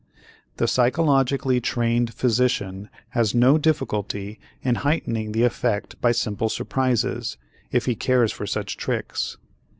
The psychologically trained physician has no difficulty in heightening the effect by simple surprises, if he cares for such tricks.